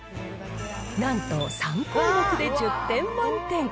なんと３項目で１０点満点。